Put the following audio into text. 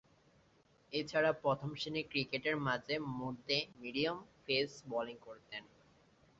এছাড়াও প্রথম-শ্রেণীর ক্রিকেটে মাঝে-মধ্যে মিডিয়াম পেস বোলিং করতেন।